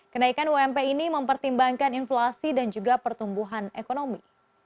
kenaikan ump ini mempertimbangkan inflasi dan juga pertumbuhan ekonomi